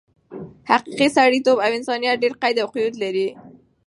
حقیقي سړیتوب او انسانیت ډېر قید او قیود لري.